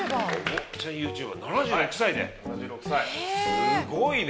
すごいね！